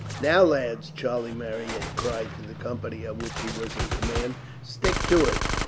"Now, lads," Charlie Marryat cried to the company of which he was in command, "stick to it.